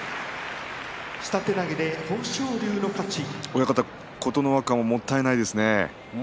親方、琴ノ若ももったいないですね。